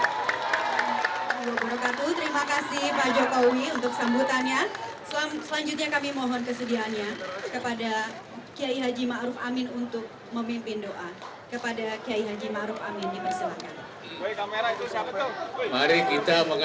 terima kasih pak jokowi untuk sambutannya